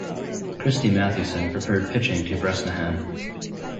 Christy Mathewson preferred pitching to Bresnahan.